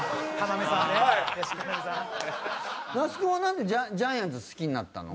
那須君はなんでジャイアンツ好きになったの？